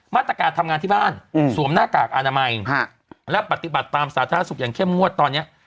มาตรการทำงานที่บ้านสวมหน้ากากอนามัยและปฏิบัติตามสาธารณสุขอย่างเข้มงวดตอนนี้